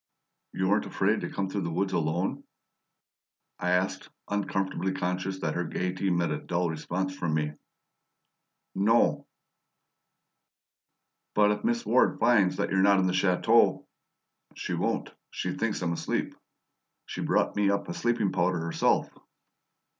"You weren't afraid to come through the woods alone?" I asked, uncomfortably conscious that her gaiety met a dull response from me. "No." "But if Miss Ward finds that you're not at the chateau " "She won't; she thinks I'm asleep. She brought me up a sleeping powder herself."